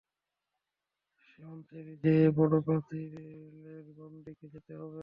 সেমানচেরি যেয়ে বড় পাঁচিলের বাম দিকে যেতে হবে?